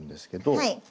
はい。